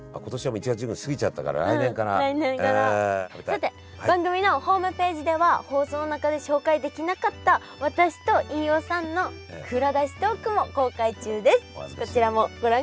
さて番組のホームページでは放送の中で紹介できなかった私と飯尾さんの蔵出しトークも公開中です。